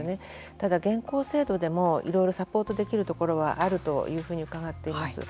ただ、現行制度でもいろいろサポートできるところはあるというふうに伺っています。